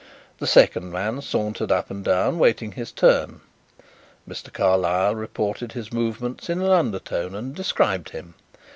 The second man sauntered up and down, waiting his turn. Mr. Carlyle reported his movements in an undertone and described him.